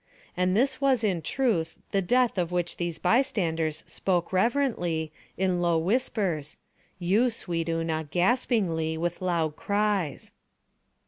And this was in truth the Death of which these bystanders spoke reverently, in low whispers—you, sweet Una, gaspingly, with loud cries.